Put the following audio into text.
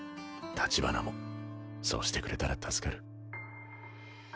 立花もそうしてくれたら助かる。